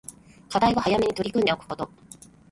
課題は早めに取り組んでおくこと